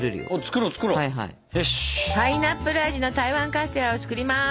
パイナップル味の台湾カステラを作ります。